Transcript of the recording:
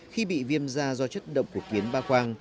khi bị viêm da do chất độc của kiến ba khoang